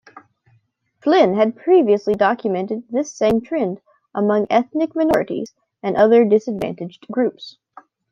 Flynn had previously documented this same trend among ethnic minorities and other disadvantaged groups.